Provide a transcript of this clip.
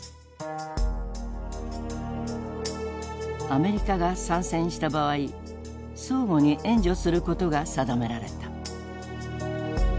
アメリカが参戦した場合相互に援助することが定められた。